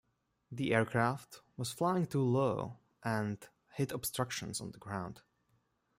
The aircraft was flying too low and hit obstructions on the ground.